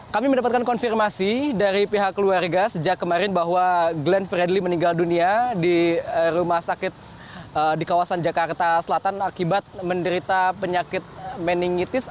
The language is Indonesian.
kami mendapatkan konfirmasi dari pihak keluarga sejak kemarin bahwa glenn fredly meninggal dunia di rumah sakit di kawasan jakarta selatan akibat menderita penyakit meningitis